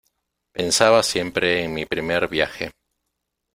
pensaba siempre en mi primer viaje.